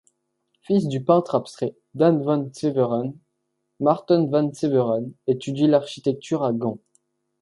Fils du peintre abstrait Dan Van Severen, Maarten Van Severen étudie l'architecture à Gand.